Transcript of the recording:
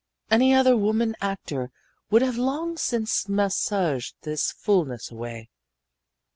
Any other woman actor would have long since massaged this fullness away.